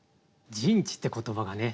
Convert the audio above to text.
「陣地」って言葉がね